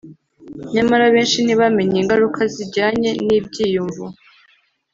Nyamara abenshi ntibamenya ingaruka zijyanye n ibyiyumvo